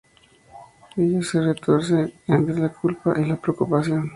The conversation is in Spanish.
Ella se retuerce entre la culpa y la preocupación.